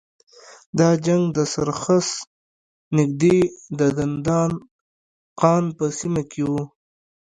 دا جنګ د سرخس نږدې د دندان قان په سیمه کې و.